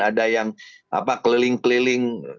ada yang keliling keliling